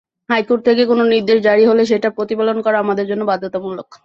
High court থেকে কোনো নির্দেশ জারি হলে সেটা প্রতিপালন করা আমাদের জন্য বাধ্যতামূলক।